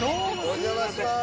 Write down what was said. お邪魔します。